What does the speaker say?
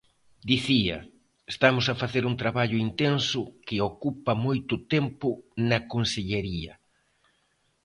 Dicía: estamos a facer un traballo intenso que ocupa moito tempo na consellería.